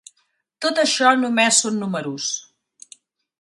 Tot això només són números.